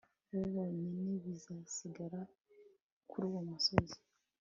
bo bonyine bizasigara kuruwo musozi